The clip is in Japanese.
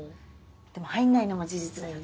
でも入んないのも事実だよね。